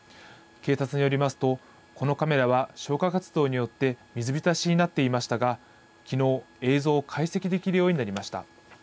警察によりますと、このカメラは消火活動によって水浸しになっていましたが、きのう、映像を解析できるようになりました。